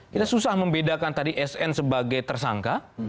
kita susah membedakan tadi sn sebagai tersangka